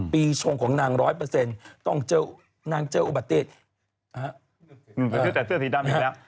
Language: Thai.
ปีชงของนาง๑๐๐ต้องเจอบุตเตฤใส่เสื้อสีดำอยู่แล้ว